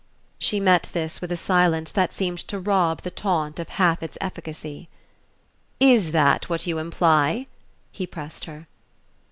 She met this with a silence that seemed to rob the taunt of half its efficacy. "Is that what you imply?" he pressed her.